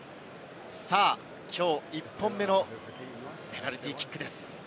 きょう１本目のペナルティーキックです。